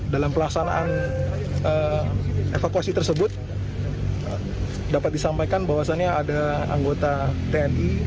dalam pelaksanaan evakuasi tersebut dapat disampaikan bahwasannya ada anggota tni